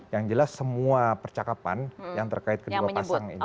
yang jelas semua percakapan yang terkait kedua pasang ini